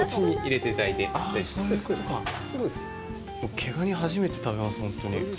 毛ガニ初めて食べます、本当に。